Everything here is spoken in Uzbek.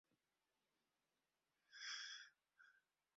Yaproqni ifak qilur, chechak bargini bol.